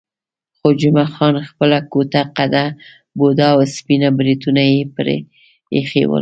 خو جمعه خان خپله کوټه قده، بوډا او سپین بریتونه یې پرې ایښي ول.